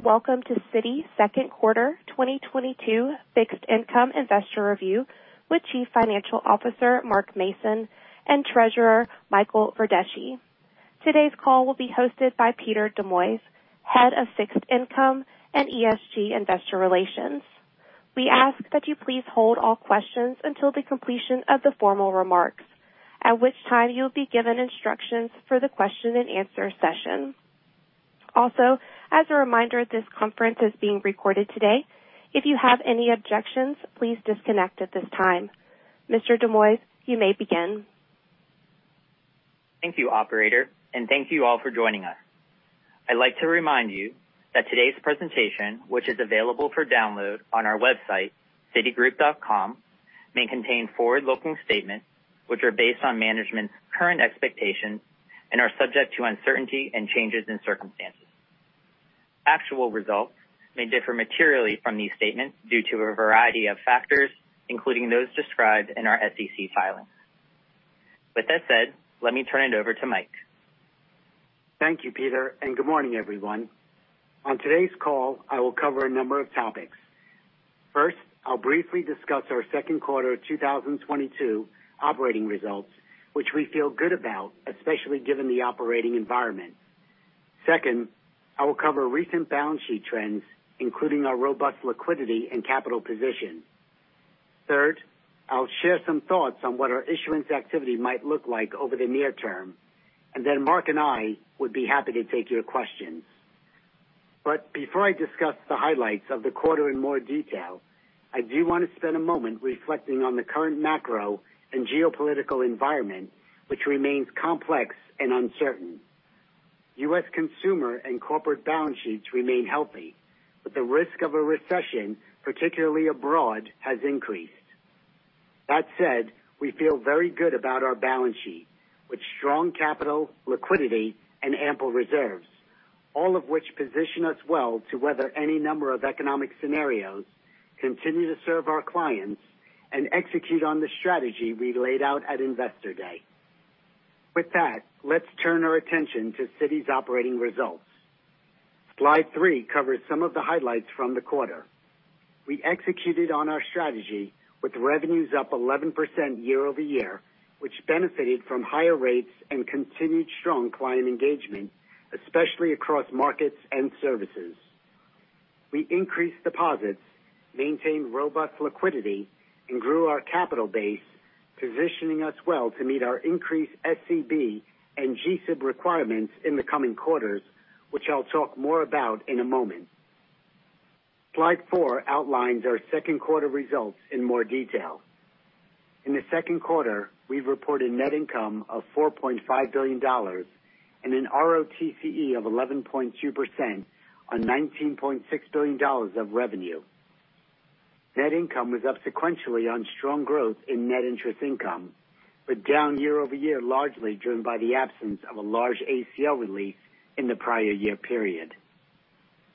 Hello, and welcome to Citi second quarter 2022 fixed income investor review with Chief Financial Officer Mark Mason and Treasurer Michael Verdeschi. Today's call will be hosted by Peter Demartini, Head of Fixed Income and ESG Investor Relations. We ask that you please hold all questions until the completion of the formal remarks, at which time you'll be given instructions for the question and answer session. Also, as a reminder, this conference is being recorded today. If you have any objections, please disconnect at this time. Mr. Demartini, you may begin. Thank you, operator, and thank you all for joining us. I'd like to remind you that today's presentation, which is available for download on our website, Citigroup.com, may contain forward-looking statements which are based on management's current expectations and are subject to uncertainty and changes in circumstances. Actual results may differ materially from these statements due to a variety of factors, including those described in our SEC filings. With that said, let me turn it over to Mike. Thank you, Peter Demartini, and good morning, everyone. On today's call, I will cover a number of topics. First, I'll briefly discuss our second quarter 2022 operating results, which we feel good about, especially given the operating environment. Second, I will cover recent balance sheet trends, including our robust liquidity and capital position. Third, I'll share some thoughts on what our issuance activity might look like over the near term, and then Mark Mason and I would be happy to take your questions. Before I discuss the highlights of the quarter in more detail, I do wanna spend a moment reflecting on the current macro and geopolitical environment, which remains complex and uncertain. U.S. consumer and corporate balance sheets remain healthy, but the risk of a recession, particularly abroad, has increased. That said, we feel very good about our balance sheet with strong capital, liquidity and ample reserves, all of which position us well to weather any number of economic scenarios, continue to serve our clients, and execute on the strategy we laid out at Investor Day. With that, let's turn our attention to Citi's operating results. Slide three covers some of the highlights from the quarter. We executed on our strategy with revenues up 11% year-over-year, which benefited from higher rates and continued strong client engagement, especially across markets and services. We increased deposits, maintained robust liquidity, and grew our capital base, positioning us well to meet our increased SCB and GSIB requirements in the coming quarters, which I'll talk more about in a moment. Slide four outlines our second quarter results in more detail. In the second quarter, we reported net income of $4.5 billion and an ROTCE of 11.2% on $19.6 billion of revenue. Net income was up sequentially on strong growth in net interest income, but down year-over-year, largely driven by the absence of a large ACL release in the prior year period.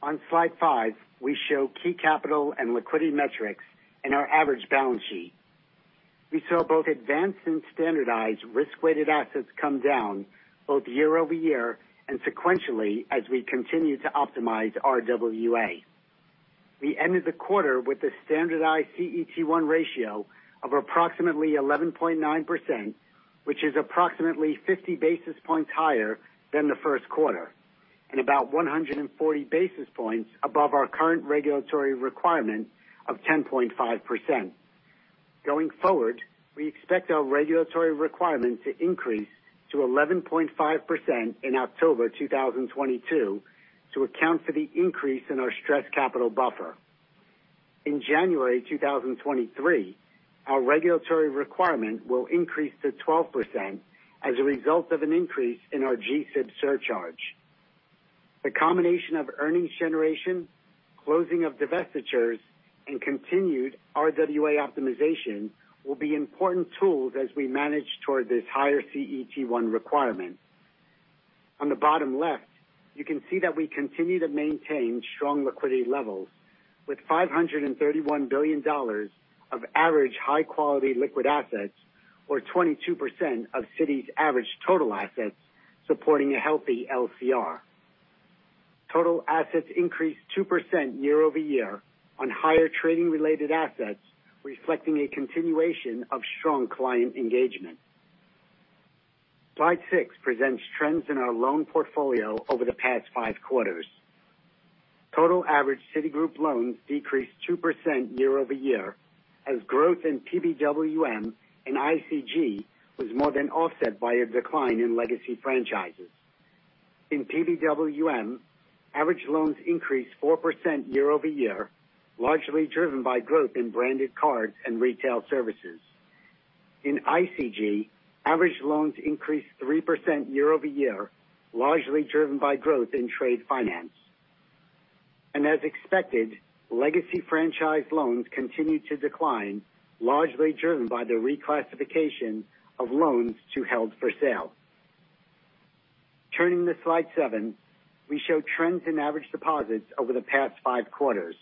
On Slide five, we show key capital and liquidity metrics in our average balance sheet. We saw both advanced and standardized risk-weighted assets come down both year-over-year and sequentially as we continue to optimize RWA. We ended the quarter with a standardized CET1 ratio of approximately 11.9%, which is approximately 50 basis points higher than the first quarter, and about 140 basis points above our current regulatory requirement of 10.5%. Going forward, we expect our regulatory requirement to increase to 11.5% in October 2022 to account for the increase in our stress capital buffer. In January 2023, our regulatory requirement will increase to 12% as a result of an increase in our GSIB surcharge. The combination of earnings generation, closing of divestitures, and continued RWA optimization will be important tools as we manage toward this higher CET1 requirement. On the bottom left, you can see that we continue to maintain strong liquidity levels with $531 billion of average high-quality liquid assets or 22% of Citi's average total assets supporting a healthy LCR. Total assets increased 2% year-over-year on higher trading-related assets, reflecting a continuation of strong client engagement. Slide 6 presents trends in our loan portfolio over the past five quarters. Total average Citigroup loans decreased 2% year-over-year as growth in PBWM and ICG was more than offset by a decline in legacy franchises. In PBWM, average loans increased 4% year-over-year, largely driven by growth in branded cards and retail services. In ICG, average loans increased 3% year-over-year, largely driven by growth in trade finance. As expected, legacy franchise loans continued to decline, largely driven by the reclassification of loans to held for sale. Turning to slide seven, we show trends in average deposits over the past five quarters.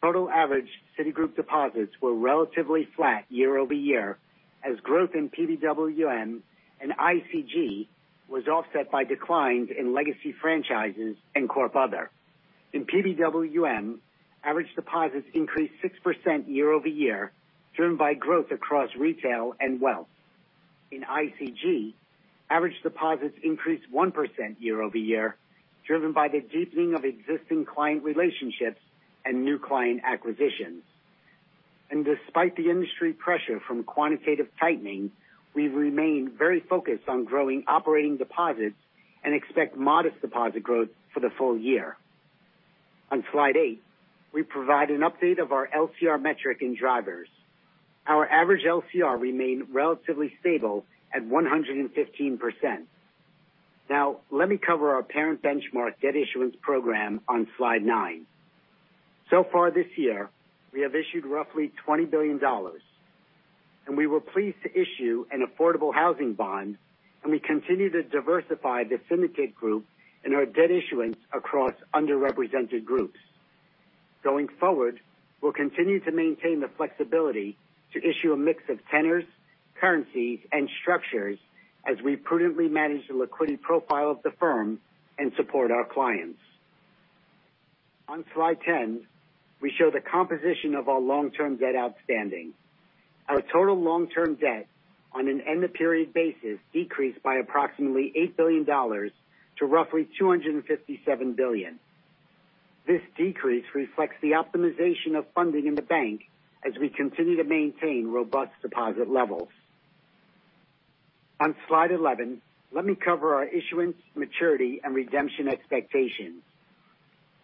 Total average Citigroup deposits were relatively flat year-over-year as growth in PBWM and ICG was offset by declines in legacy franchises and Corp/Other. In PBWM, average deposits increased 6% year-over-year, driven by growth across retail and wealth. In ICG, average deposits increased 1% year-over-year, driven by the deepening of existing client relationships and new client acquisitions. Despite the industry pressure from quantitative tightening, we remain very focused on growing operating deposits and expect modest deposit growth for the full year. On slide 8, we provide an update of our LCR metric and drivers. Our average LCR remained relatively stable at 115%. Now let me cover our parent benchmark debt issuance program on slide nine. So far this year, we have issued roughly $20 billion, and we were pleased to issue an affordable housing bond. We continue to diversify the syndicate group and our debt issuance across underrepresented groups. Going forward, we'll continue to maintain the flexibility to issue a mix of tenors, currencies, and structures as we prudently manage the liquidity profile of the firm and support our clients. On slide ten, we show the composition of our long-term debt outstanding. Our total long-term debt on an end of period basis decreased by approximately $8 billion to roughly $257 billion. This decrease reflects the optimization of funding in the bank as we continue to maintain robust deposit levels. On slide eleven, let me cover our issuance, maturity, and redemption expectations.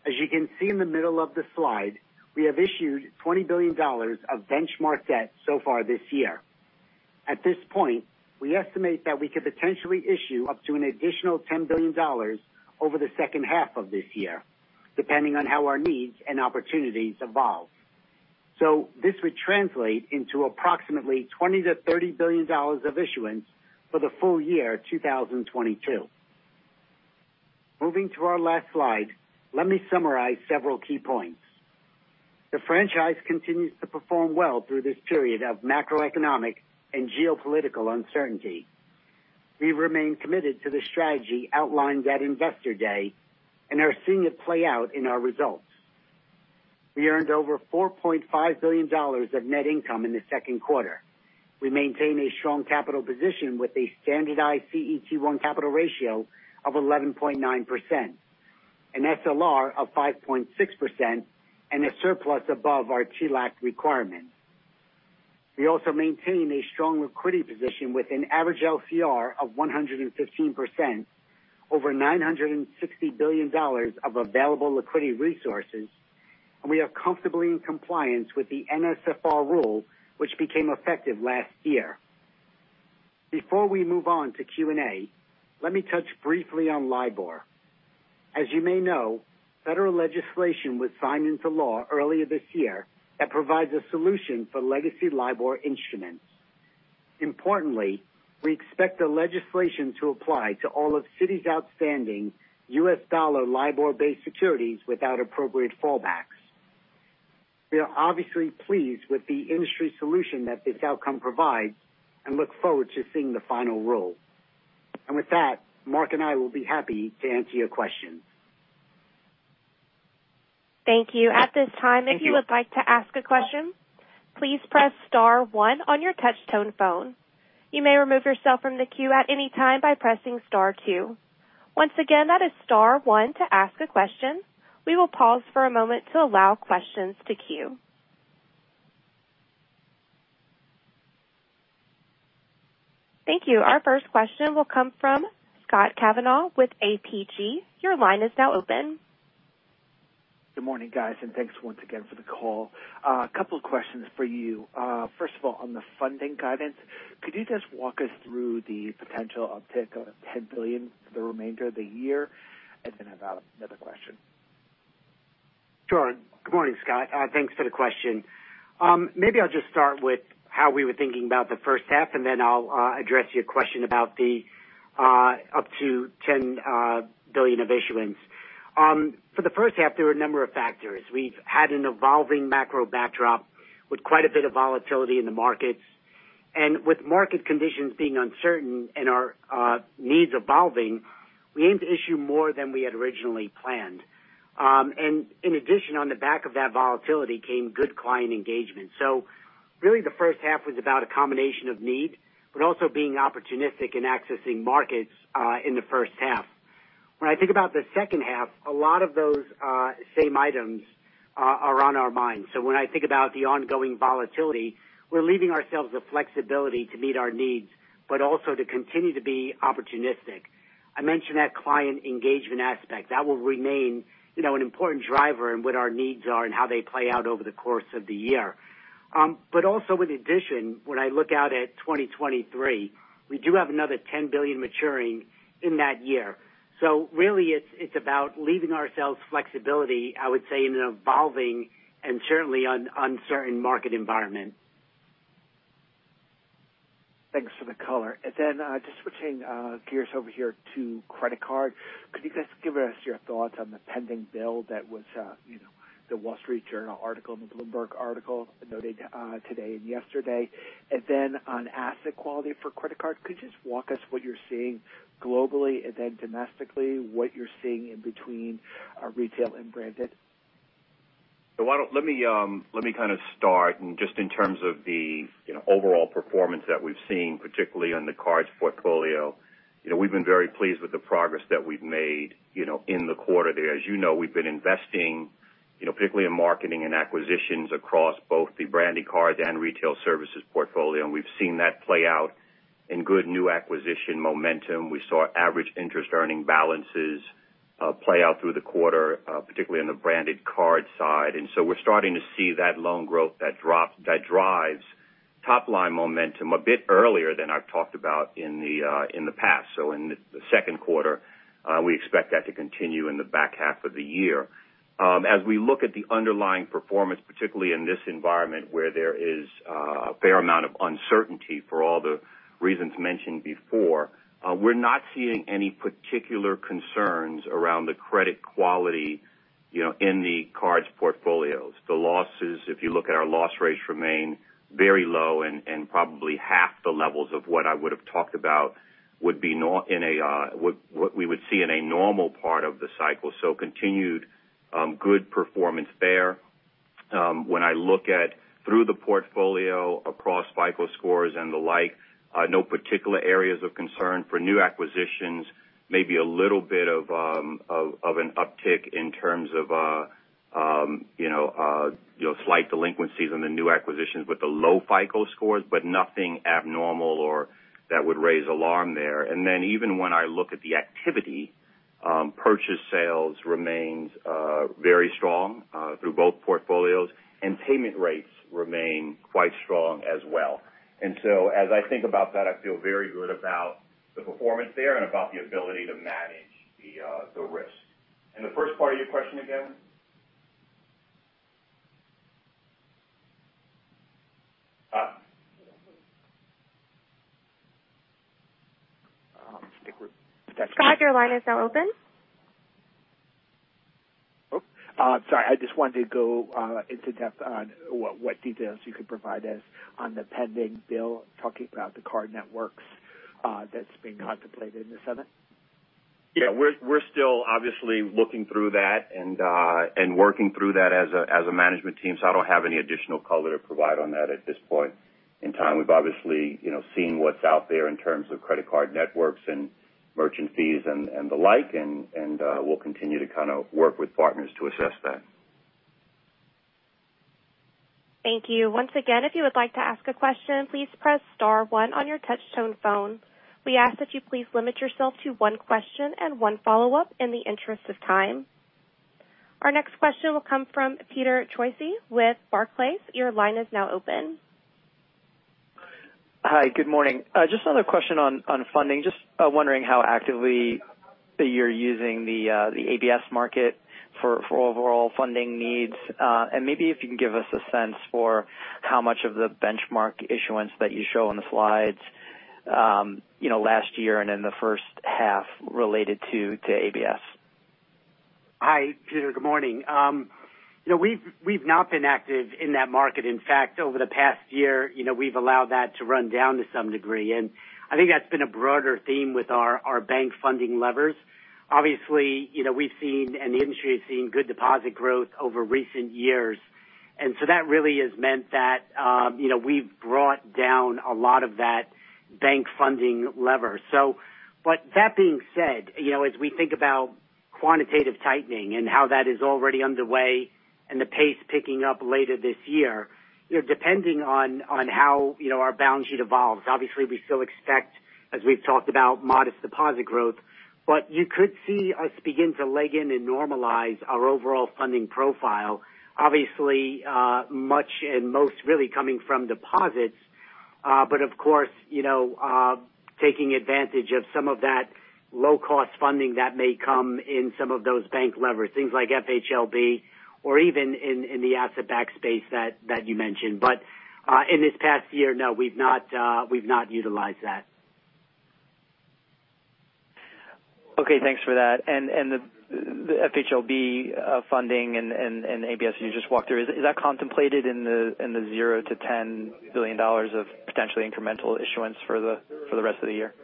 As you can see in the middle of the slide, we have issued $20 billion of benchmark debt so far this year. At this point, we estimate that we could potentially issue up to an additional $10 billion over the second half of this year, depending on how our needs and opportunities evolve. This would translate into approximately $20 billion-$30 billion of issuance for the full year 2022. Moving to our last slide, let me summarize several key points. The franchise continues to perform well through this period of macroeconomic and geopolitical uncertainty. We remain committed to the strategy outlined at Investor Day and are seeing it play out in our results. We earned over $4.5 billion of net income in the second quarter. We maintain a strong capital position with a standardized CET1 capital ratio of 11.9%, an SLR of 5.6%, and a surplus above our TLAC requirement. We also maintain a strong liquidity position with an average LCR of 115%, over $960 billion of available liquidity resources, and we are comfortably in compliance with the NSFR rule, which became effective last year. Before we move on to Q&A, let me touch briefly on LIBOR. As you may know, federal legislation was signed into law earlier this year that provides a solution for legacy LIBOR instruments. Importantly, we expect the legislation to apply to all of Citi's outstanding US dollar LIBOR-based securities without appropriate fallbacks. We are obviously pleased with the industry solution that this outcome provides and look forward to seeing the final rule. With that, Mark and I will be happy to answer your questions. Thank you. At this time, if you would like to ask a question, please press star one on your touch-tone phone. You may remove yourself from the queue at any time by pressing star two. Once again, that is star one to ask a question. We will pause for a moment to allow questions to queue. Thank you. Our first question will come from Scott Cavanagh with APG. Your line is now open. Good morning, guys, and thanks once again for the call. A couple of questions for you. First of all, on the funding guidance, could you just walk us through the potential uptick of $10 billion for the remainder of the year? Then I've got another question. Sure. Good morning, Scott. Thanks for the question. Maybe I'll just start with how we were thinking about the first half, and then I'll address your question about the up to $10 billion of issuance. For the first half, there were a number of factors. We've had an evolving macro backdrop with quite a bit of volatility in the markets. With market conditions being uncertain and our needs evolving, we aimed to issue more than we had originally planned. In addition, on the back of that volatility came good client engagement. Really, the first half was about a combination of need, but also being opportunistic in accessing markets in the first half. When I think about the second half, a lot of those same items are on our minds. When I think about the ongoing volatility, we're leaving ourselves the flexibility to meet our needs, but also to continue to be opportunistic. I mentioned that client engagement aspect. That will remain, you know, an important driver in what our needs are and how they play out over the course of the year. Also in addition, when I look out at 2023, we do have another $10 billion maturing in that year. Really, it's about leaving ourselves flexibility, I would say, in an evolving and certainly uncertain market environment. Thanks for the color. Just switching gears over here to credit card. Could you guys give us your thoughts on the pending bill that was, you know, the Wall Street Journal article and the Bloomberg article noted, today and yesterday? On asset quality for credit cards, could you just walk us what you're seeing globally and then domestically, what you're seeing in between, retail and branded? Let me kind of start and just in terms of the, you know, overall performance that we've seen, particularly on the Cards portfolio. You know, we've been very pleased with the progress that we've made, you know, in the quarter there. As you know, we've been investing, you know, particularly in marketing and acquisitions across both the Branded Cards and Retail Services portfolio, and we've seen that play out in good new acquisition momentum. We saw average interest earning balances play out through the quarter, particularly in the Branded Cards side. We're starting to see that loan growth that drives top line momentum a bit earlier than I've talked about in the past, so in the second quarter. We expect that to continue in the back half of the year. As we look at the underlying performance, particularly in this environment where there is a fair amount of uncertainty for all the reasons mentioned before, we're not seeing any particular concerns around the credit quality, you know, in the cards portfolios. The losses, if you look at our loss rates, remain very low and probably half the levels of what I would have talked about would be we would see in a normal part of the cycle. Continued good performance there. When I look through the portfolio across FICO scores and the like, no particular areas of concern. For new acquisitions, maybe a little bit of an uptick in terms of, you know, slight delinquencies on the new acquisitions with the low FICO scores, but nothing abnormal or that would raise alarm there. Even when I look at the activity, purchase sales remains very strong through both portfolios, and payment rates remain quite strong as well. As I think about that, I feel very good about the performance there and about the ability to manage the risk. The first part of your question again? Scott, your line is now open. Oh, sorry. I just wanted to go into depth on what details you could provide us on the pending bill, talking about the card networks, that's being contemplated in the Senate. Yeah. We're still obviously looking through that and working through that as a management team, so I don't have any additional color to provide on that at this point in time. We've obviously, you know, seen what's out there in terms of credit card networks and merchant fees and the like. We'll continue to kind of work with partners to assess that. Thank you. Once again, if you would like to ask a question, please press star one on your touch tone phone. We ask that you please limit yourself to one question and one follow-up in the interest of time. Our next question will come from Peter Troisi with Barclays. Your line is now open. Hi, good morning. Just another question on funding. Just wondering how actively you're using the ABS market for overall funding needs. Maybe if you can give us a sense for how much of the benchmark issuance that you show on the slides, you know, last year and in the first half related to ABS. Hi, Peter. Good morning. You know, we've not been active in that market. In fact, over the past year, you know, we've allowed that to run down to some degree. I think that's been a broader theme with our bank funding levers. Obviously, you know, we've seen and the industry has seen good deposit growth over recent years, and so that really has meant that, you know, we've brought down a lot of that bank funding lever. But that being said, you know, as we think about quantitative tightening and how that is already underway and the pace picking up later this year, you know, depending on how, you know, our balance sheet evolves. Obviously, we still expect, as we've talked about, modest deposit growth. You could see us begin to leg in and normalize our overall funding profile. Obviously, much and most really coming from deposits. Of course, you know, taking advantage of some of that low-cost funding that may come in some of those bank levers, things like FHLB or even in the asset-backed space that you mentioned. In this past year, no, we've not utilized that. Okay. Thanks for that. The FHLB funding and ABS you just walked through, is that contemplated in the $0-$10 billion of potentially incremental issuance for the rest of the year?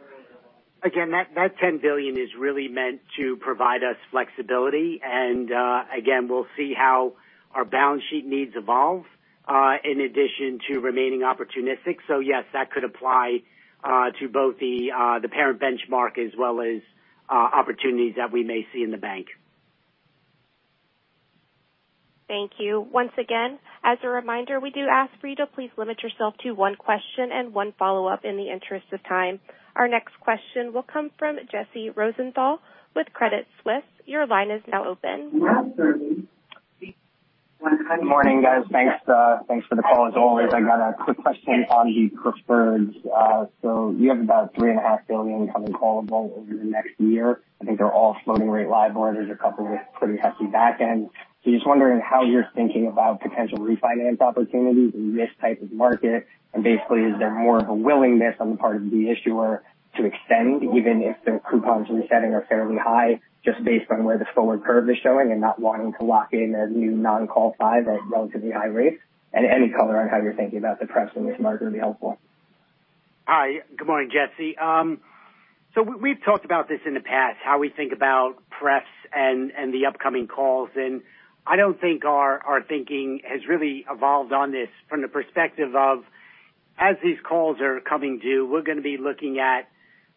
Again, that $10 billion is really meant to provide us flexibility. again, we'll see how our balance sheet needs evolve, in addition to remaining opportunistic. Yes, that could apply to both the parent benchmark as well as opportunities that we may see in the bank. Thank you. Once again, as a reminder, we do ask for you to please limit yourself to one question and one follow-up in the interest of time. Our next question will come from Jesse Rosenthal with CreditSights. Your line is now open. Good morning, guys. Thanks for the call. As always, I got a quick question on the preferreds. You have about $3.5 billion coming callable over the next year. I think they're all floating rate liabilities, a couple with pretty hefty backends. Just wondering how you're thinking about potential refinance opportunities in this type of market. Basically, is there more of a willingness on the part of the issuer to extend, even if their coupons in the setting are fairly high, just based on where the forward curve is showing and not wanting to lock in a new non-call five at relatively high rates? Any color on how you're thinking about the prefs in this market would be helpful. Hi, good morning, Jesse. We've talked about this in the past, how we think about press and the upcoming calls, and I don't think our thinking has really evolved on this from the perspective of as these calls are coming due, we're gonna be looking at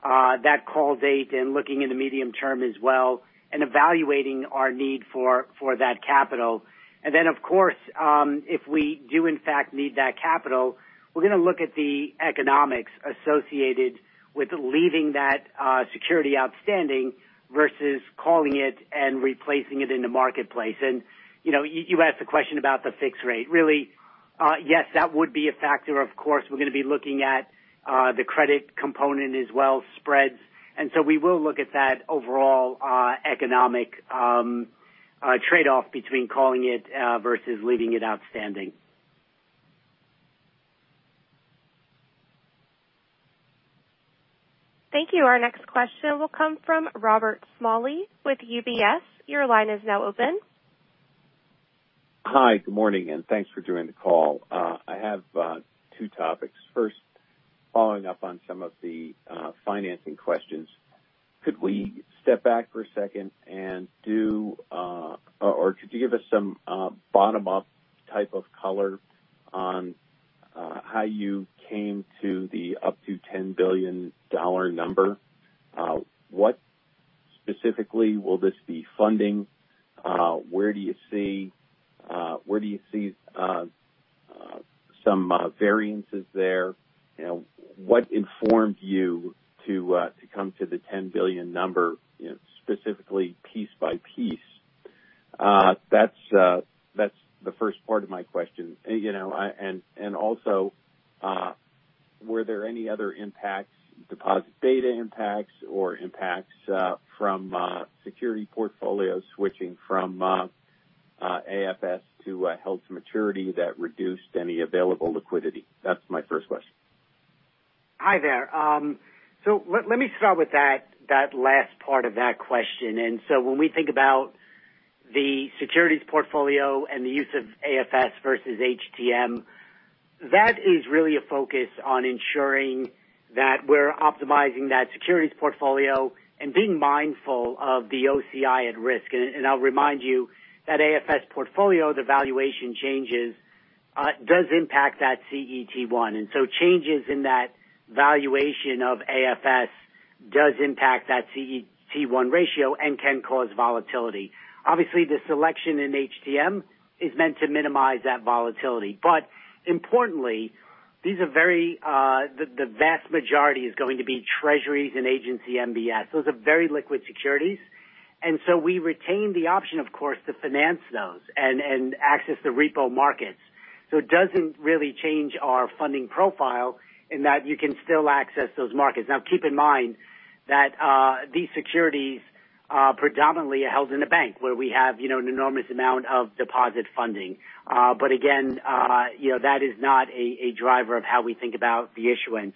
that call date and looking in the medium term as well and evaluating our need for that capital. Of course, if we do in fact need that capital, we're gonna look at the economics associated with leaving that security outstanding versus calling it and replacing it in the marketplace. You asked a question about the fixed rate. Really, yes, that would be a factor. Of course, we're gonna be looking at the credit component as well, spreads. We will look at that overall economic trade-off between calling it versus leaving it outstanding. Thank you. Our next question will come from Robert Smalley with UBS. Your line is now open. Hi. Good morning, and thanks for doing the call. I have two topics. First, following up on some of the financing questions, could we step back for a second, or could you give us some bottom-up type of color on how you came to the up to $10 billion number? What specifically will this be funding? Where do you see some variances there? You know, what informed you to come to the $10 billion number, you know, specifically piece by piece? That's the first part of my question. You know, were there any other impacts, deposit beta impacts or impacts from securities portfolios switching from AFS to held to maturity that reduced any available liquidity? That's my first question. Hi there. Let me start with that last part of that question. When we think about the securities portfolio and the use of AFS versus HTM, that is really a focus on ensuring that we're optimizing that securities portfolio and being mindful of the OCI at risk. I'll remind you that AFS portfolio, the valuation changes, does impact that CET1. Changes in that valuation of AFS does impact that CET1 ratio and can cause volatility. Obviously, the selection in HTM is meant to minimize that volatility. Importantly, these are very, the vast majority is going to be Treasuries and agency MBS. Those are very liquid securities. We retain the option, of course, to finance those and access the repo markets. It doesn't really change our funding profile in that you can still access those markets. Now keep in mind that these securities are predominantly held in a bank where we have, you know, an enormous amount of deposit funding. But again, you know, that is not a driver of how we think about the issuance.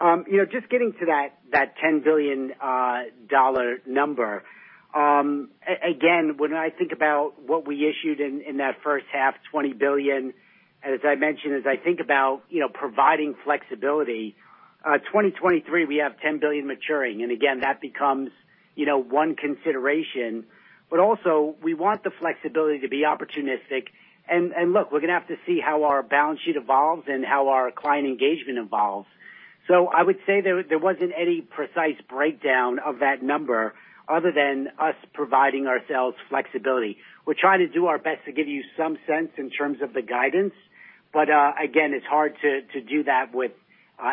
You know, just getting to that $10 billion number, again, when I think about what we issued in that first half, $20 billion, as I mentioned, as I think about, you know, providing flexibility, 2023 we have $10 billion maturing. Again, that becomes, you know, one consideration. But also we want the flexibility to be opportunistic. Look, we're gonna have to see how our balance sheet evolves and how our client engagement evolves. I would say there wasn't any precise breakdown of that number other than us providing ourselves flexibility. We're trying to do our best to give you some sense in terms of the guidance, but again, it's hard to do that with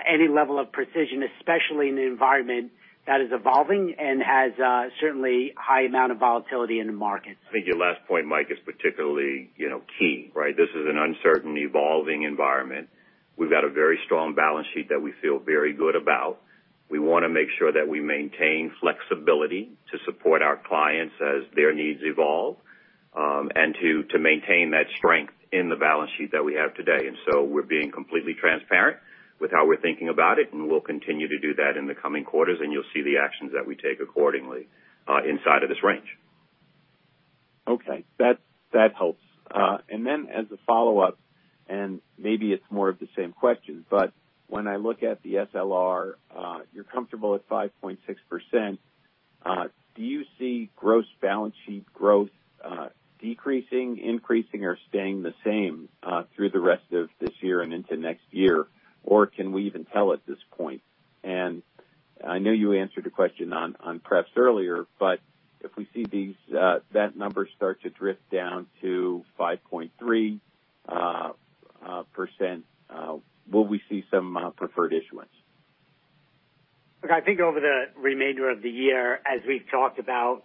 any level of precision, especially in an environment that is evolving and has certainly high amount of volatility in the market. I think your last point, Mike, is particularly, you know, key, right? This is an uncertain evolving environment. We've got a very strong balance sheet that we feel very good about. We wanna make sure that we maintain flexibility to support our clients as their needs evolve, and to maintain that strength in the balance sheet that we have today. We're being completely transparent with how we're thinking about it, and we'll continue to do that in the coming quarters, and you'll see the actions that we take accordingly, inside of this range. Okay. That helps. As a follow-up, maybe it's more of the same question, but when I look at the SLR, you're comfortable at 5.6%. Do you see gross balance sheet growth decreasing, increasing or staying the same through the rest of this year and into next year? Or can we even tell at this point? I know you answered a question on press earlier, but if we see that number start to drift down to 5.3%, will we see some preferred issuance? Look, I think over the remainder of the year, as we've talked about,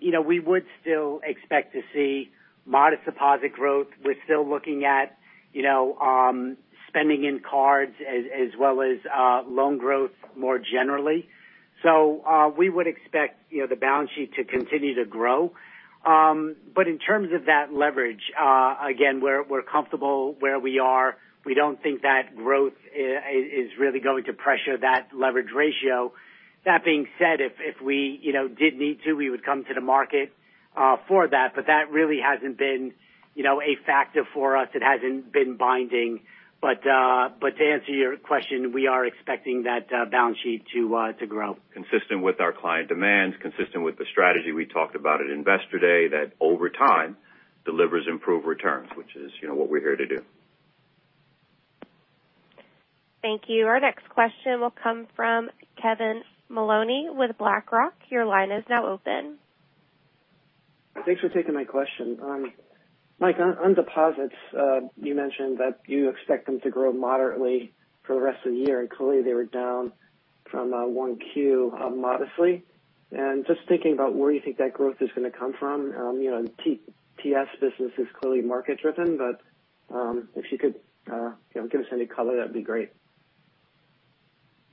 you know, we would still expect to see modest deposit growth. We're still looking at, you know, spending in cards as well as loan growth more generally. We would expect, you know, the balance sheet to continue to grow. In terms of that leverage, again, we're comfortable where we are. We don't think that growth is really going to pressure that leverage ratio. That being said, if we, you know, did need to, we would come to the market for that, but that really hasn't been, you know, a factor for us. It hasn't been binding. But to answer your question, we are expecting that balance sheet to grow. Consistent with our client demands, consistent with the strategy we talked about at Investor Day, that over time delivers improved returns, which is, you know, what we're here to do. Thank you. Our next question will come from Kevin Maloney with BlackRock. Your line is now open. Thanks for taking my question. Mike, on deposits, you mentioned that you expect them to grow moderately for the rest of the year, and clearly they were down from 1Q modestly. Just thinking about where you think that growth is gonna come from. You know, TTS business is clearly market-driven, but if you could, you know, give us any color, that'd be great.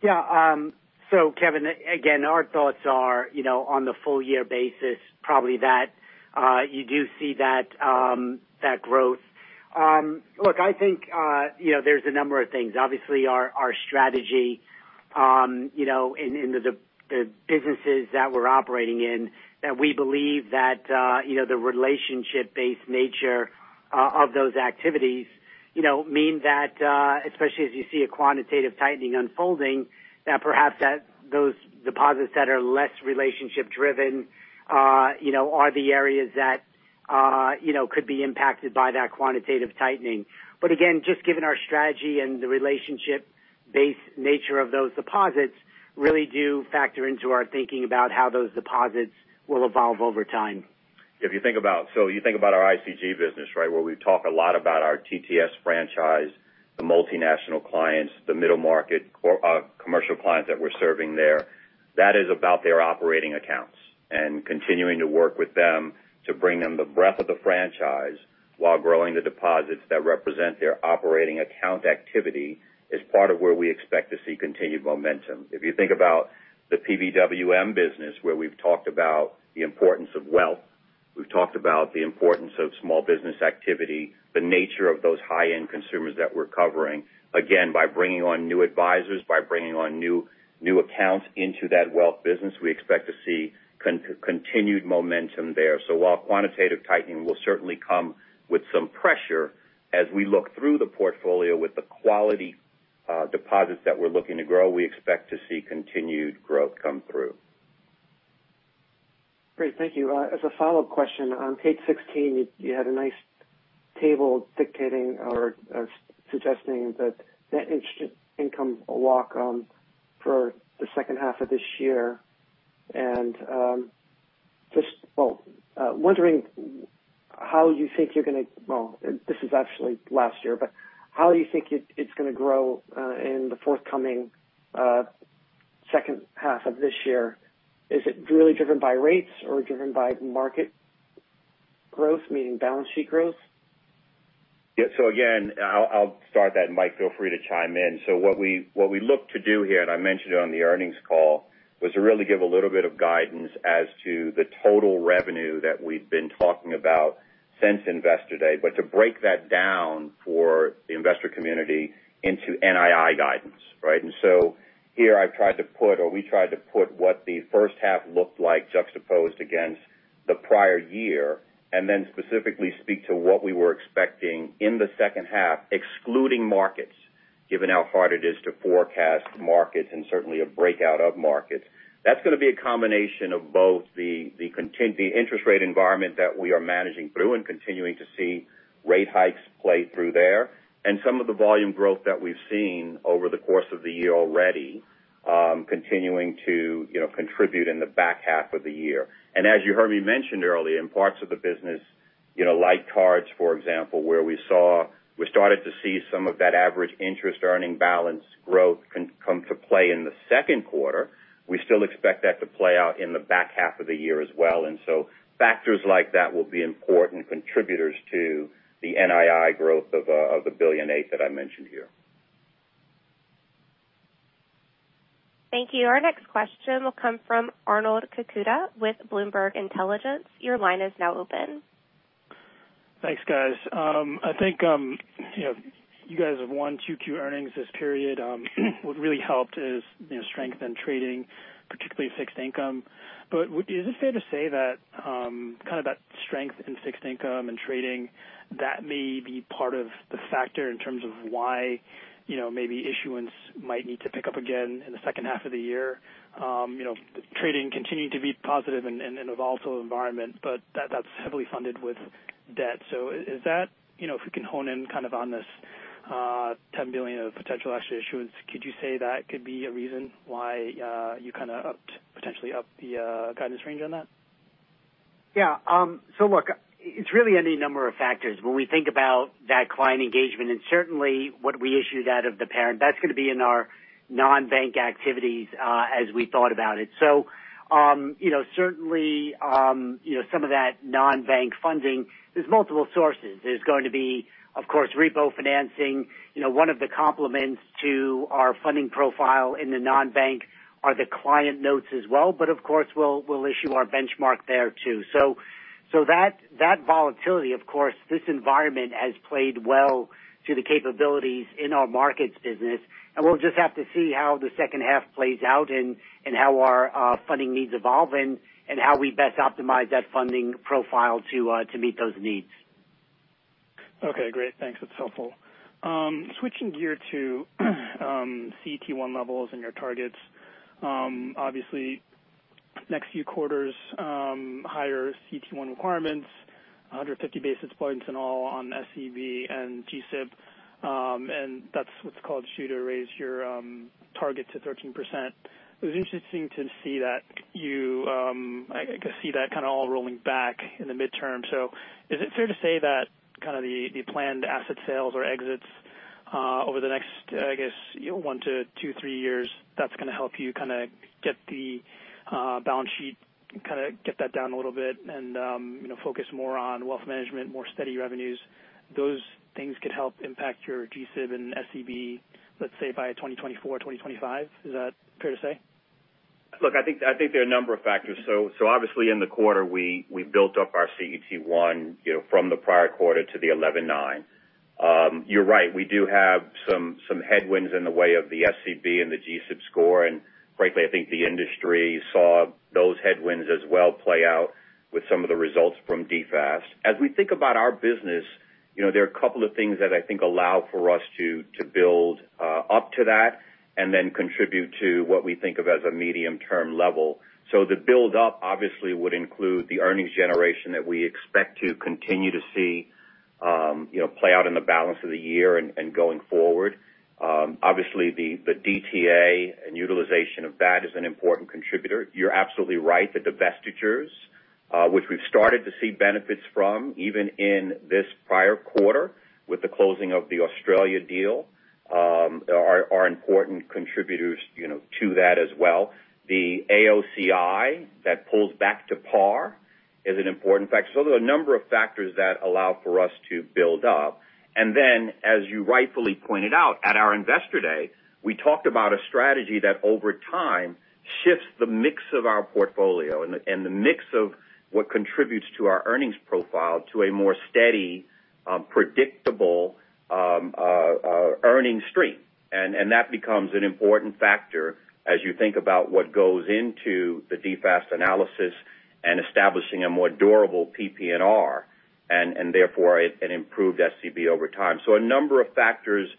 Yeah. So Kevin, again, our thoughts are, you know, on the full year basis, probably that you do see that growth. Look, I think, you know, there's a number of things. Obviously our strategy, you know, in the businesses that we're operating in, that we believe that, you know, the relationship-based nature of those activities, you know, mean that, especially as you see a quantitative tightening unfolding, that perhaps those deposits that are less relationship-driven, you know, are the areas that, you know, could be impacted by that quantitative tightening. Again, just given our strategy and the relationship-based nature of those deposits really do factor into our thinking about how those deposits will evolve over time. If you think about our ICG business, right, where we talk a lot about our TTS franchise, the multinational clients, the middle market commercial clients that we're serving there. That is about their operating accounts. Continuing to work with them to bring them the breadth of the franchise while growing the deposits that represent their operating account activity is part of where we expect to see continued momentum. If you think about the PBWM business, where we've talked about the importance of wealth, we've talked about the importance of small business activity, the nature of those high-end consumers that we're covering. Again, by bringing on new advisors, by bringing on new accounts into that wealth business, we expect to see continued momentum there. While quantitative tightening will certainly come with some pressure as we look through the portfolio with the quality, deposits that we're looking to grow, we expect to see continued growth come through. Great. Thank you. As a follow-up question, on page sixteen, you had a nice table dictating or suggesting that net interest income will walk for the second half of this year. Just wondering, this is actually last year, but how you think it's gonna grow in the forthcoming second half of this year. Is it really driven by rates or driven by market growth, meaning balance sheet growth? Yeah. Again, I'll start that. Mike, feel free to chime in. What we look to do here, and I mentioned it on the earnings call, was to really give a little bit of guidance as to the total revenue that we've been talking about since Investor Day, but to break that down for the investor community into NII guidance, right? Here I've tried to put, or we tried to put, what the first half looked like juxtaposed against the prior year, and then specifically speak to what we were expecting in the second half, excluding markets, given how hard it is to forecast markets and certainly a breakout of markets. That's gonna be a combination of both the interest rate environment that we are managing through and continuing to see rate hikes play through there, and some of the volume growth that we've seen over the course of the year already, continuing to, you know, contribute in the back half of the year. As you heard me mention earlier, in parts of the business, you know, like cards, for example, where we're starting to see some of that average interest earning balance growth come to play in the second quarter. We still expect that to play out in the back half of the year as well. Factors like that will be important contributors to the NII growth of $1.8 billion that I mentioned here. Thank you. Our next question will come from Arnold Kakuda with Bloomberg Intelligence. Your line is now open. Thanks, guys. I think you know you guys have second Quater earnings this period. What really helped is you know strength in trading, particularly fixed income. Is it fair to say that kind of that strength in fixed income and trading that may be part of the factor in terms of why you know maybe issuance might need to pick up again in the second half of the year? You know trading continuing to be positive in an evolving environment, but that's heavily funded with debt. Is that you know if we can hone in kind of on this $10 billion of potential actual issuance, could you say that could be a reason why you kinda upped potentially upped the guidance range on that? Yeah. Look, it's really any number of factors when we think about that client engagement and certainly what we issued out of the parent, that's gonna be in our non-bank activities, as we thought about it. You know, certainly, you know, some of that non-bank funding there are multiple sources. There is going to be, of course, repo financing. You know, one of the complements to our funding profile in the non-bank are the client notes as well, but of course, we'll issue our benchmark there too. That volatility, of course, this environment has played well to the capabilities in our markets business. We'll just have to see how the second half plays out and how our funding needs evolve and how we best optimize that funding profile to meet those needs. Okay, great. Thanks. That's helpful. Switching gears to CET1 levels and your targets, obviously next few quarters, higher CET1 requirements, 150 basis points in all on SCB and GSIB, and that's what caused you to raise your target to 13%. It was interesting to see that. I could see that kind of all rolling back in the medium term. Is it fair to say that kind of the planned asset sales or exits over the next, I guess, 1-3 years, that's gonna help you kinda get the balance sheet kinda get that down a little bit and you know, focus more on wealth management, more steady revenues, those things could help impact your GSIB and SCB, let's say by 2024, 2025, is that fair to say? Look, I think there are a number of factors. Obviously in the quarter we built up our CET1, you know, from the prior quarter to the 11.9. You're right. We do have some headwinds in the way of the SCB and the GSIB score. Frankly, I think the industry saw those headwinds as well play out with some of the results from DFAST. As we think about our business, you know, there are a couple of things that I think allow for us to build up to that and then contribute to what we think of as a medium term level. The buildup obviously would include the earnings generation that we expect to continue to see, you know, play out in the balance of the year and going forward. Obviously the DTA and utilization of that is an important contributor. You're absolutely right. The divestitures, which we've started to see benefits from even in this prior quarter with the closing of the Australia deal, are important contributors, you know, to that as well. The AOCI that pulls back to par is an important factor. There are a number of factors that allow for us to build up. As you rightfully pointed out at our Investor Day, we talked about a strategy that over time shifts the mix of our portfolio and the mix of what contributes to our earnings profile to a more steady, predictable earnings stream. That becomes an important factor as you think about what goes into the DFAST analysis and establishing a more durable PPNR and therefore an improved SCB over time. A number of factors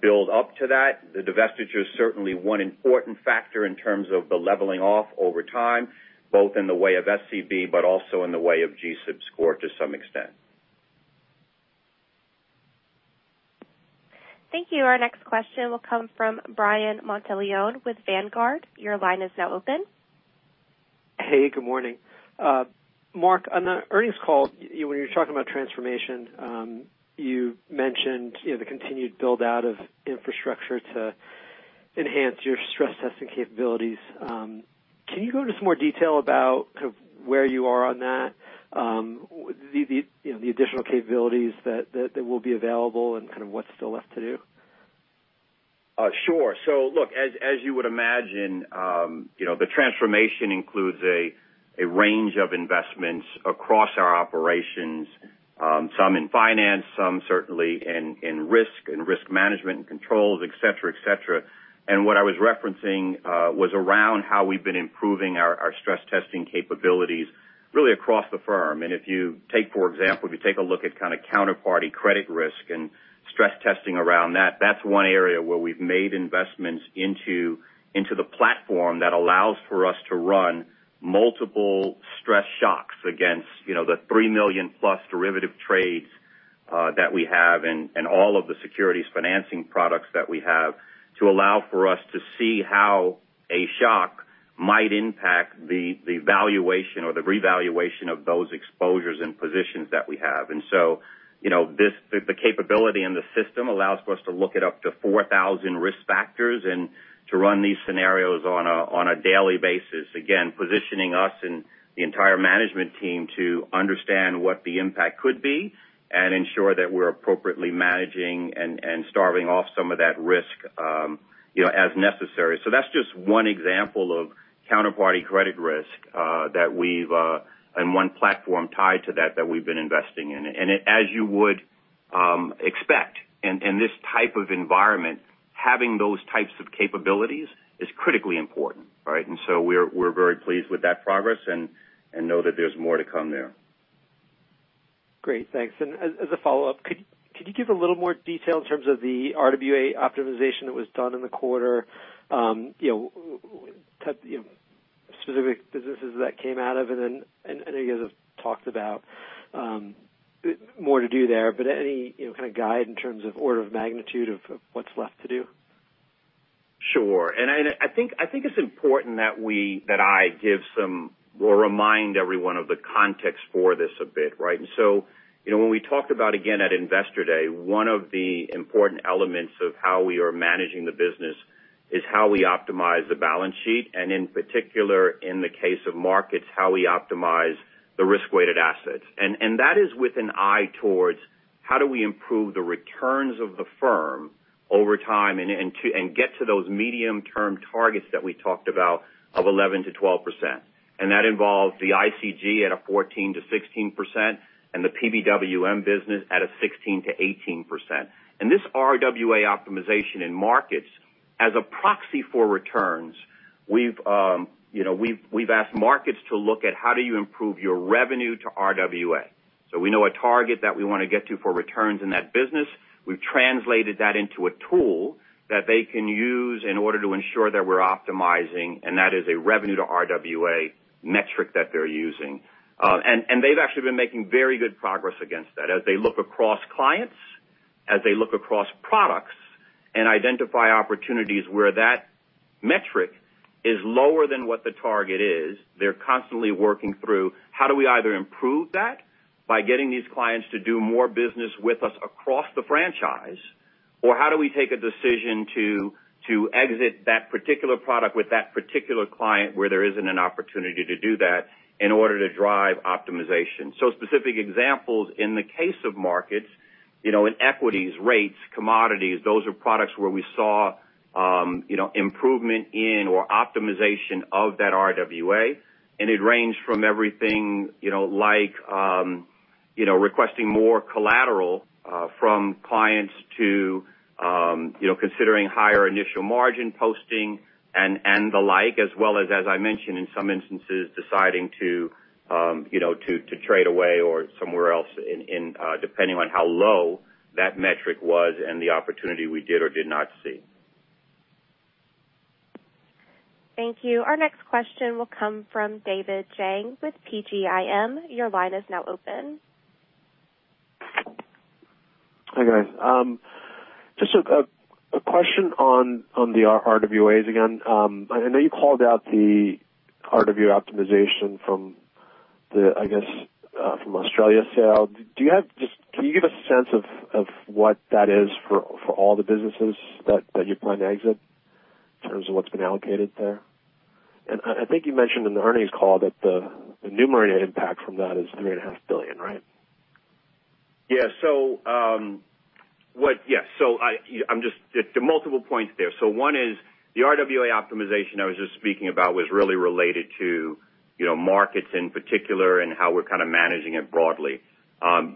build up to that. The divestiture is certainly one important factor in terms of the leveling off over time, both in the way of SCB, but also in the way of GSIB score to some extent. Thank you. Our next question will come from Brian Monteleone with Vanguard. Your line is now open. Hey, good morning. Mark, on the earnings call, you, when you were talking about transformation, you mentioned, you know, the continued build out of infrastructure to enhance your stress testing capabilities. Can you go into some more detail about kind of where you are on that? You know, the additional capabilities that will be available and kind of what's still left to do? Sure. Look, as you would imagine, you know, the transformation includes a range of investments across our operations, some in finance, some certainly in risk management and controls, et cetera. What I was referencing was around how we've been improving our stress testing capabilities really across the firm. For example, if you take a look at kind of counterparty credit risk and stress testing around that's one area where we've made investments into the platform that allows for us to run multiple stress shocks against, you know, the 3 million-plus derivative trades that we have and all of the securities financing products that we have to allow for us to see how a shock might impact the valuation or the revaluation of those exposures and positions that we have. You know, the capability in the system allows for us to look at up to 4,000 risk factors and to run these scenarios on a daily basis. Again, positioning us and the entire management team to understand what the impact could be and ensure that we're appropriately managing and staving off some of that risk, you know, as necessary. That's just one example of counterparty credit risk that we've and one platform tied to that that we've been investing in. As you would expect in this type of environment, having those types of capabilities is critically important, right? We're very pleased with that progress and know that there's more to come there. Great. Thanks. As a follow-up, could you give a little more detail in terms of the RWA optimization that was done in the quarter? You know, specific businesses that came out of it and I know you guys have talked about more to do there, but any kind of guide in terms of order of magnitude of what's left to do? Sure. I think it's important that I give some or remind everyone of the context for this a bit, right? You know, when we talked about, again at Investor Day, one of the important elements of how we are managing the business is how we optimize the balance sheet, and in particular, in the case of markets, how we optimize the risk-weighted assets. That is with an eye towards how do we improve the returns of the firm over time and to get to those medium-term targets that we talked about of 11%-12%. That involves the ICG at a 14%-16% and the PBWM business at a 16%-18%. This RWA optimization in markets as a proxy for returns, we've you know asked markets to look at how do you improve your revenue to RWA. We know a target that we wanna get to for returns in that business. We've translated that into a tool that they can use in order to ensure that we're optimizing, and that is a revenue to RWA metric that they're using. They've actually been making very good progress against that. As they look across clients, as they look across products, and identify opportunities where that metric is lower than what the target is, they're constantly working through how do we either improve that by getting these clients to do more business with us across the franchise? How do we take a decision to exit that particular product with that particular client where there isn't an opportunity to do that in order to drive optimization. Specific examples in the case of markets, you know, in equities, rates, commodities, those are products where we saw, you know, improvement in or optimization of that RWA. It ranged from everything, you know, like, you know, requesting more collateral, from clients to, you know, considering higher initial margin posting and, the like, as well as I mentioned, in some instances, deciding to, you know, to trade away or somewhere else in, depending on how low that metric was and the opportunity we did or did not see. Thank you. Our next question will come from David Jiang with PGIM. Your line is now open. Hi, guys. Just a question on the RWAs again. I know you called out the RWA optimization from the, I guess, from Australia sale. Can you give a sense of what that is for all the businesses that you plan to exit in terms of what's been allocated there? I think you mentioned in the earnings call that the numerator impact from that is $3.5 billion, right? There are multiple points there. One is the RWA optimization I was just speaking about was really related to, you know, markets in particular and how we're kind of managing it broadly.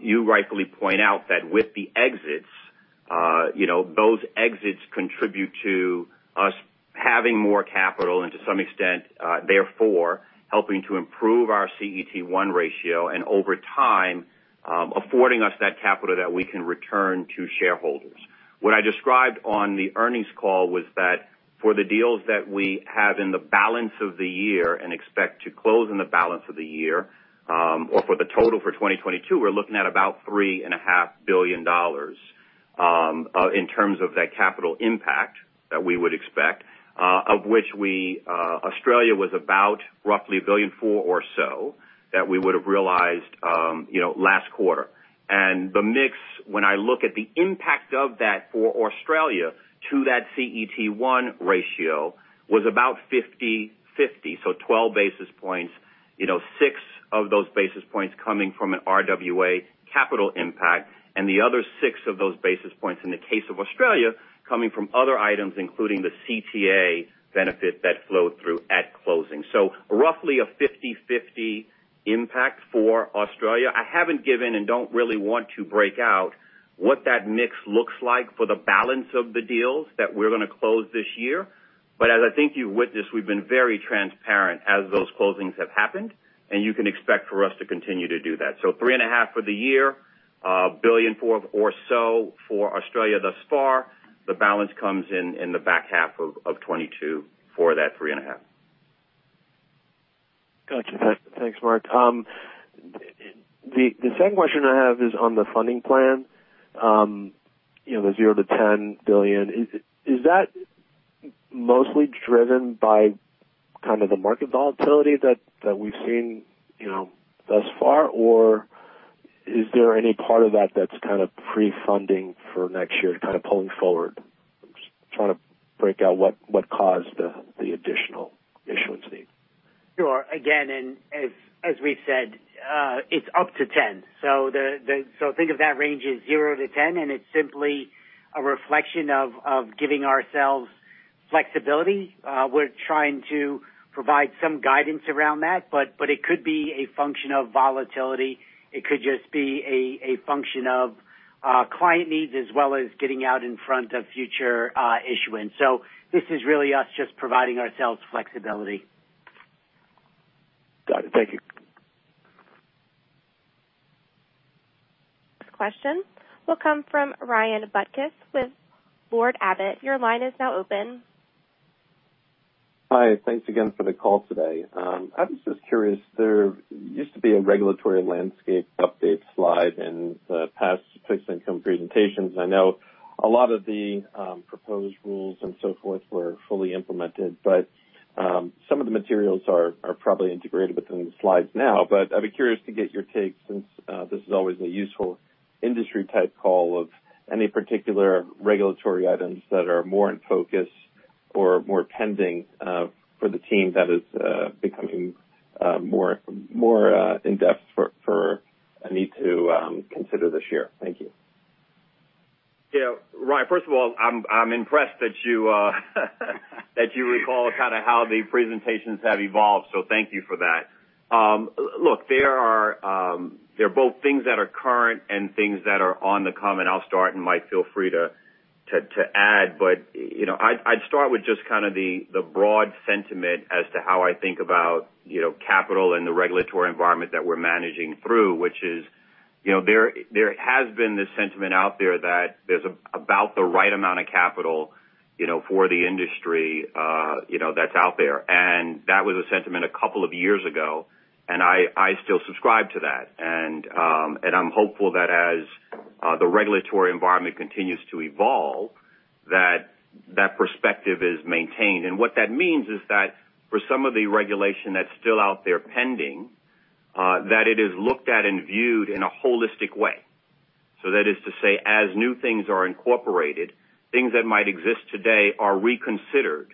You rightfully point out that with the exits, you know, those exits contribute to us having more capital and to some extent, therefore, helping to improve our CET1 ratio and over time, affording us that capital that we can return to shareholders. What I described on the earnings call was that for the deals that we have in the balance of the year and expect to close in the balance of the year, or for the total for 2022, we're looking at about $3.5 billion in terms of that capital impact that we would expect, of which we, Australia was about roughly $1.4 billion or so that we would have realized, you know, last quarter. The mix, when I look at the impact of that for Australia to that CET1 ratio was about 50/50, so twelve basis points. You know, six of those basis points coming from an RWA capital impact, and the other 6 of those basis points in the case of Australia coming from other items, including the CTA benefit that flowed through at closing. Roughly a 50-50 impact for Australia. I haven't given and don't really want to break out what that mix looks like for the balance of the deals that we're gonna close this year. As I think you've witnessed, we've been very transparent as those closings have happened, and you can expect for us to continue to do that. $3.5 billion for the year, $4 billion or so for Australia thus far. The balance comes in in the back half of 2022 for that 3.5. Gotcha. Thanks, Mark. The second question I have is on the funding plan. You know, the $0-$10 billion. Is that mostly driven by kind of the market volatility that we've seen, you know, thus far? Or is there any part of that that's kind of pre-funding for next year to kind of pulling forward? I'm just trying to break out what caused the additional issuance need. Sure. Again, as we've said, it's up to ten. Think of that range as 0-10, and it's simply a reflection of giving ourselves flexibility. We're trying to provide some guidance around that, but it could be a function of volatility. It could just be a function of client needs as well as getting out in front of future issuance. This is really us just providing ourselves flexibility. Got it. Thank you. Next question will come from Ryan Butkus with Lord Abbett. Your line is now open. Hi. Thanks again for the call today. I was just curious. There used to be a regulatory landscape update slide in the past fixed income presentations. I know a lot of the proposed rules and so forth were fully implemented, but some of the materials are probably integrated within the slides now. I'd be curious to get your take since this is always a useful industry type call, of any particular regulatory items that are more in focus or more pending for the team that is becoming more in-depth for a need to consider this year. Thank you. Yeah. Ryan, first of all, I'm impressed that you recall kind of how the presentations have evolved, so thank you for that. Look, there are both things that are current and things that are on the common. I'll start, and Mike, feel free to add. You know, I'd start with just kind of the broad sentiment as to how I think about capital and the regulatory environment that we're managing through. Which is, you know, there has been this sentiment out there that there's about the right amount of capital for the industry that's out there. That was a sentiment a couple of years ago, and I still subscribe to that. I'm hopeful that as the regulatory environment continues to evolve, that perspective is maintained. What that means is that for some of the regulation that's still out there pending, that it is looked at and viewed in a holistic way. That is to say, as new things are incorporated, things that might exist today are reconsidered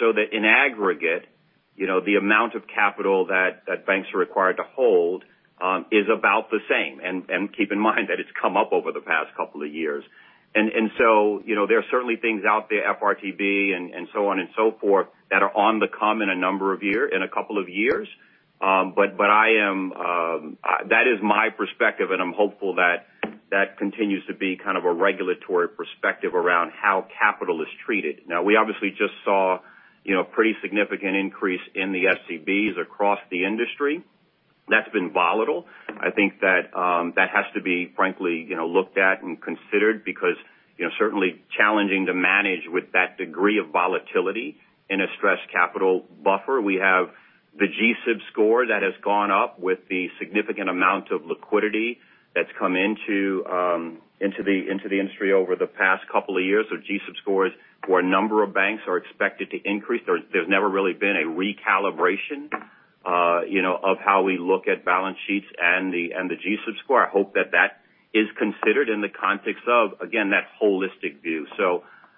so that in aggregate, you know, the amount of capital that banks are required to hold is about the same. Keep in mind that it's come up over the past couple of years. You know, there are certainly things out there, FRTB and so on and so forth, that are coming in a couple of years. I am That is my perspective, and I'm hopeful that that continues to be kind of a regulatory perspective around how capital is treated. Now, we obviously just saw, you know, pretty significant increase in the SCBs across the industry. That's been volatile. I think that has to be frankly, you know, looked at and considered because, you know, certainly challenging to manage with that degree of volatility in a stress capital buffer. We have the GSIB score that has gone up with the significant amount of liquidity that's come into the industry over the past couple of years. So GSIB scores for a number of banks are expected to increase. There's never really been a recalibration, you know, of how we look at balance sheets and the GSIB score. I hope that that is considered in the context of, again, that holistic view.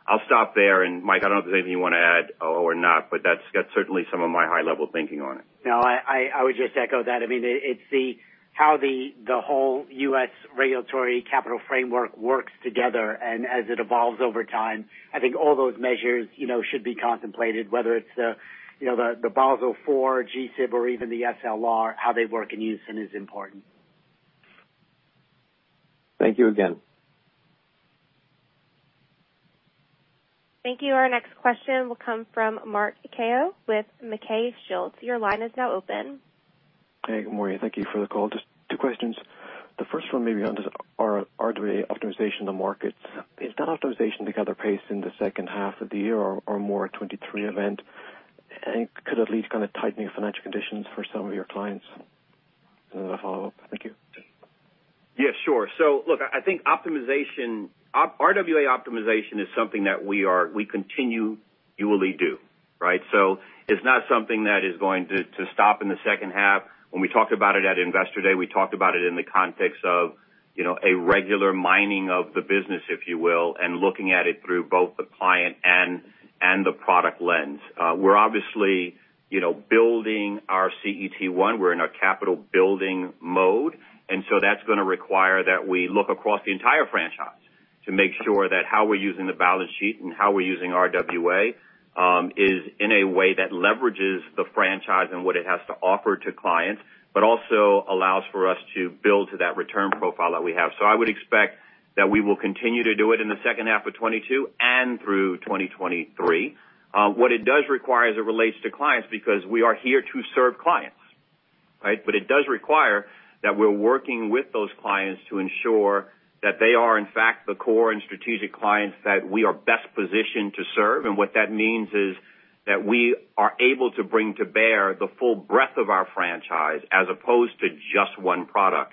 I'll stop there, and Mike, I don't know if there's anything you wanna add or not, but that's certainly some of my high level thinking on it. No, I would just echo that. I mean, it's how the whole U.S. regulatory capital framework works together and as it evolves over time. I think all those measures, you know, should be contemplated, whether it's, you know, the Basel IV GSIB or even the SLR, how they work in unison is important. Thank you again. Thank you. Our next question will come from Mark Kehoe with MacKay Shields. Your line is now open. Hey, good morning. Thank you for the call. Just two questions. The first one maybe on this our RWA optimization in the markets. Is that optimization to gather pace in the second half of the year or more a 2023 event? And could at least kind of tighten your financing conditions for some of your clients? A follow-up. Thank you. Yeah, sure. Look, I think RWA optimization is something that we continually do, right? It's not something that is going to to stop in the second half. When we talked about it at Investor Day, we talked about it in the context of, you know, a regular mining of the business, if you will, and looking at it through both the client and the product lens. We're obviously, you know, building our CET1. We're in a capital building mode. That's gonna require that we look across the entire franchise to make sure that how we're using the balance sheet and how we're using RWA is in a way that leverages the franchise and what it has to offer to clients, but also allows for us to build to that return profile that we have. I would expect that we will continue to do it in the second half of 2022 and through 2023. What it does require as it relates to clients, because we are here to serve clients, right? It does require that we're working with those clients to ensure that they are in fact the core and strategic clients that we are best positioned to serve. What that means is that we are able to bring to bear the full breadth of our franchise as opposed to just one product.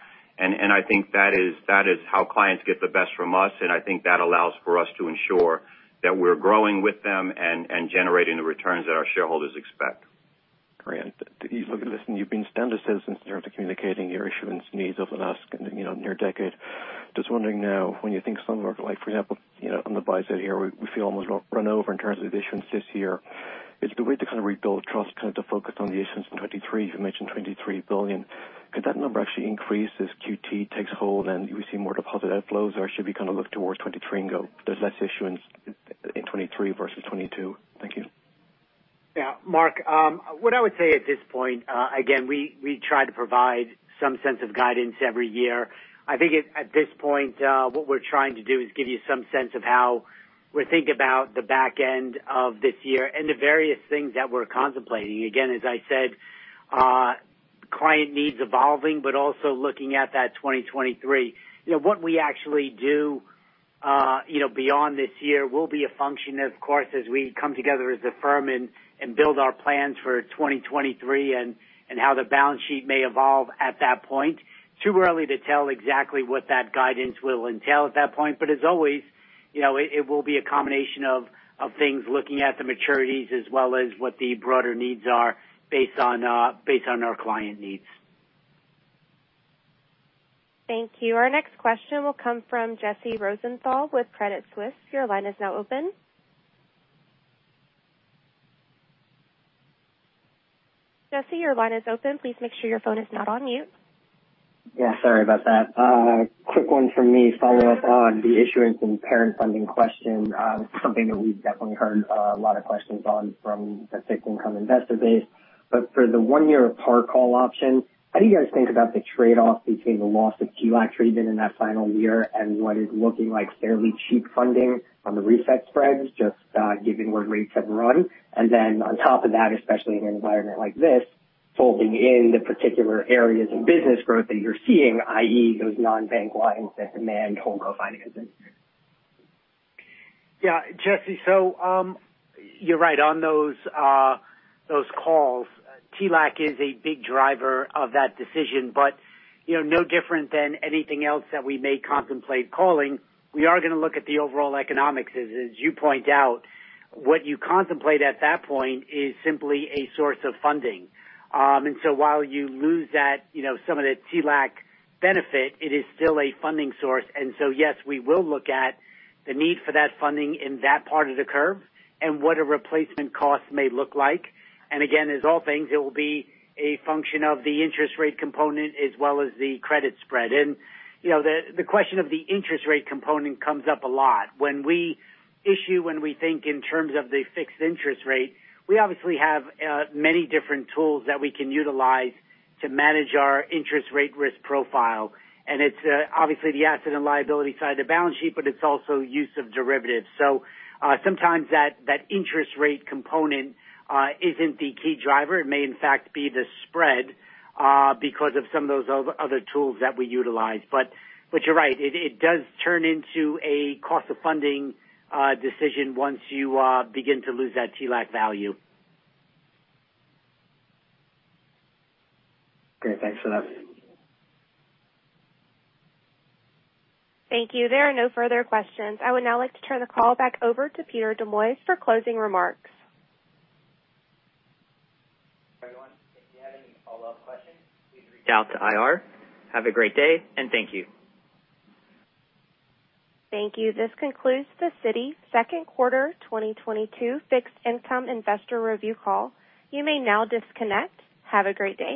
I think that is how clients get the best from us, and I think that allows for us to ensure that we're growing with them and generating the returns that our shareholders expect. Great. You've been standard since communicating your issuance needs over the last, you know, near decade. Just wondering now, when you think some of like for example, you know, on the buy side here, we feel almost run over in terms of issuance this year. Is the way to kind of rebuild trust kind of to focus on the issuance in 2023? You mentioned $23 billion. Could that number actually increase as QT takes hold and we see more deposit outflows, or should we kind of look towards 2023 and go there's less issuance in 2023 versus 2022? Thank you. Yeah. Mark, what I would say at this point, again, we try to provide some sense of guidance every year. I think at this point, what we're trying to do is give you some sense of how we think about the back end of this year and the various things that we're contemplating. Again, as I said, client needs evolving, but also looking at that 2023. You know, what we actually do, you know, beyond this year will be a function, of course, as we come together as a firm and build our plans for 2023 and how the balance sheet may evolve at that point. Too early to tell exactly what that guidance will entail at that point. As always, you know, it will be a combination of things looking at the maturities as well as what the broader needs are based on our client needs. Thank you. Our next question will come from Jesse Rosenthal with CreditSights. Your line is now open. Jesse, your line is open. Please make sure your phone is not on mute. Yeah, sorry about that. Quick one from me. Follow up on the issuance and parent funding question, something that we've definitely heard a lot of questions on from the fixed income investor base. For the 1-year par call option, how do you guys think about the trade-off between the loss of TLAC treatment in that final year and what is looking like fairly cheap funding on the reset spreads, just, given where rates have run? On top of that, especially in an environment like this, folding in the particular areas of business growth that you're seeing, i.e., those non-bank lines that demand HoldCo financing. Yeah, Jesse, you're right on those calls. TLAC is a big driver of that decision. You know, no different than anything else that we may contemplate calling, we are gonna look at the overall economics. As you point out, what you contemplate at that point is simply a source of funding. While you lose that, you know, some of the TLAC benefit, it is still a funding source. Yes, we will look at the need for that funding in that part of the curve and what a replacement cost may look like. Again, as all things, it will be a function of the interest rate component as well as the credit spread. You know, the question of the interest rate component comes up a lot. When we think in terms of the fixed interest rate, we obviously have many different tools that we can utilize to manage our interest rate risk profile. It's obviously the asset and liability side of the balance sheet, but it's also use of derivatives. Sometimes that interest rate component isn't the key driver. It may in fact be the spread because of some of those other tools that we utilize. But you're right, it does turn into a cost of funding decision once you begin to lose that TLAC value. Great. Thanks for that. Thank you. There are no further questions. I would now like to turn the call back over to Peter Demoise for closing remarks. Everyone, if you have any follow-up questions, please reach out to IR. Have a great day, and thank you. Thank you. This concludes the Citi second quarter 2022 fixed income investor review call. You may now disconnect. Have a great day.